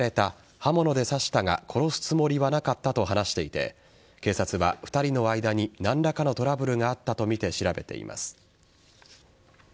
刃物で刺したが殺すつもりはなかったと話していて警察は２人の間に何らかのトラブルがあったとみて調べています。